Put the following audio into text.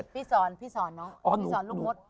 พี่สอนพี่สอนเนอะพี่สอนลูกมด